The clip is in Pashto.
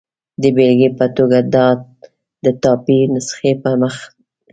د بېلګې په توګه، د ټایپي نسخې په مخ کې.